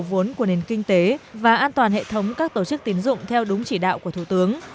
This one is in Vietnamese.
vốn của nền kinh tế và an toàn hệ thống các tổ chức tiến dụng theo đúng chỉ đạo của thủ tướng